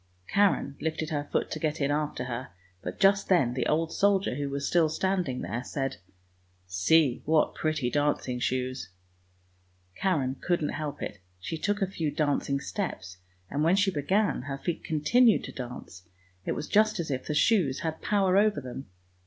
Karen lifted her foot to get in after her, but just then the old soldier, who was still standing there, said, " See what pretty dancing shoes! " Karen couldn't help it; she took a few dancing steps, and when she began her feet continued to dance; it was just as if the shoes had a power over them.